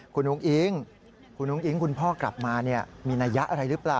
คุณอุ้งอิ๊งคุณอุ้งอิ๊งคุณพ่อกลับมามีนัยยะอะไรหรือเปล่า